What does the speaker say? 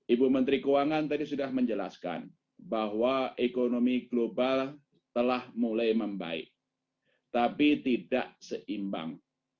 ibu menteri keuangan tadi sudah menjelaskan bahwa ekonomi global telah mulai membaik tapi tidak seimbang